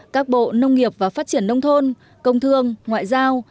các bộ nông nghiệp và phát triển nông thôn công thương ngoại giao